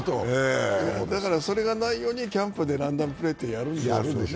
それがないようにキャンプでランダウンプレーってやるんだよね。